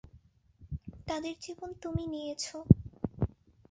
তাদের জীবন তুমি নিয়েছো।